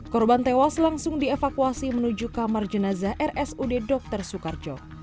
korban tewas langsung dievakuasi menuju kamar jenazah rsud dr soekarjo